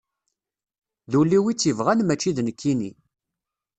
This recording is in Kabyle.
D ul-iw i tt-ibɣan mačči d nekkini.